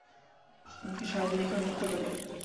আমরা কি সারাদিন এখানে থাকতে পারি?